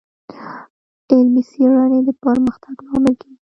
علمي سپړنې د پرمختګ لامل کېږي.